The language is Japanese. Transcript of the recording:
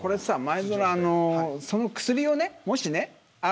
前園、その薬をね、もしね。